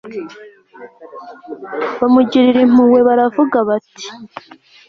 bamugirira impuhwe baravuga bati